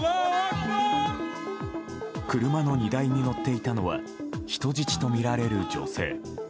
車の荷台に乗っていたのは人質とみられる女性。